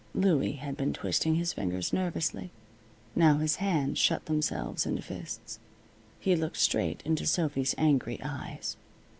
Louie had been twisting his fingers nervously. Now his hands shut themselves into fists. He looked straight into Sophy's angry eyes.